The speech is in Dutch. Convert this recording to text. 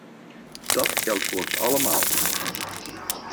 Dat geldt voor ons allemaal.